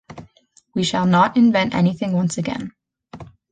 We shall not invent anything once again.